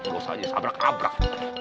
dosa aja sabrak abrak